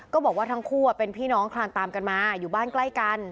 ก็บอกว่าทั้งคู่เป็นพี่น้องคลานตามกันมาอยู่บ้านใกล้กัน